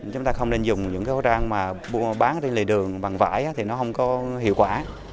chúng ta không nên dùng những khẩu trang bán trên lề đường bằng vải thì nó không có hiệu quả